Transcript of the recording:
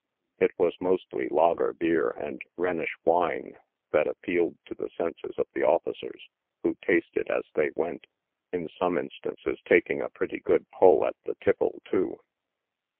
It was mostly lager bier and Rhenish wine that ap pealed to the senses of the officers, who tasted as they went — in some instances taking a pretty good pull at the tipple, too.